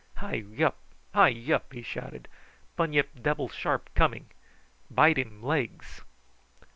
"Hi wup! hi wup!" he shouted; "bunyip debble shark coming bite um legs."